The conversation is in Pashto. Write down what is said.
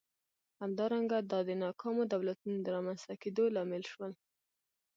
همدارنګه دا د ناکامو دولتونو د رامنځته کېدو لامل شول.